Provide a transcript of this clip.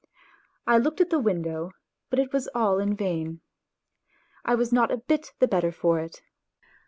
I looked at the win dow, but it was all in vain ... I was not a bit the better for it